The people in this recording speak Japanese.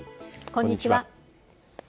こんにちは。